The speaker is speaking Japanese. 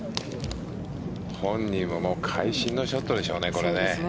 本人はもう会心のショットでしょうね、これね。